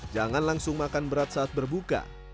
jangan langsung makan berat saat berbuka